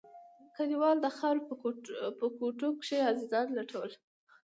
كليوالو د خاورو په کوټو کښې عزيزان لټول.